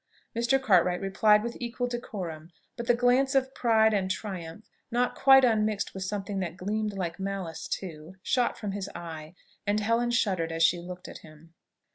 Mr. Cartwright replied with equal decorum; but the glance of pride and triumph, not quite unmixed with something that gleamed like malice too, shot from his eye, and Helen shuddered as she looked at him.